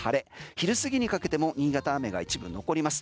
昼すぎにかけても新潟、雨が一部残ります。